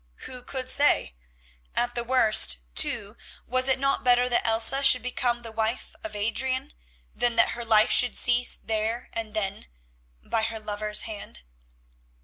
Who could say? At the worst, too, was it not better that Elsa should become the wife of Adrian than that her life should cease there and then, and by her lover's hand?